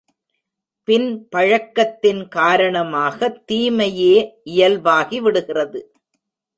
பின் பழக்கத்தின் காரணமாகத் தீமையே இயல்பாகிவிடுகிறது.